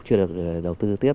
chưa được đầu tư tiếp